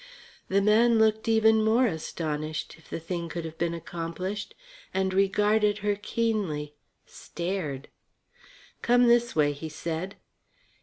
The man looked even more astonished, if the thing could have been accomplished, and regarded her keenly stared. "Come this way," he said.